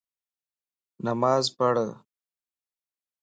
نماز پڙھ